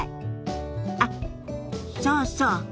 あっそうそう。